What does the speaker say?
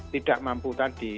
tidak mampu tadi